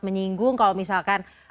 menyinggung kalau misalkan